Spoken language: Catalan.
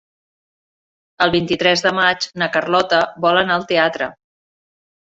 El vint-i-tres de maig na Carlota vol anar al teatre.